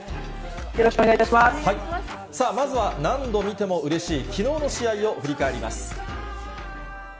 まずは何度見てもうれしい、きのうの試合を振り返ります。